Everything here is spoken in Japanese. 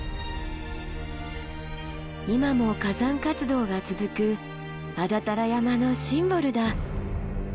今も火山活動が続く安達太良山のシンボルだ。